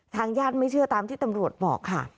ทางญาติไม่เชื่อตามที่ตำรวจบอกค่ะ